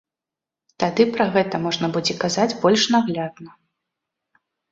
Тады пра гэта можна будзе казаць больш наглядна.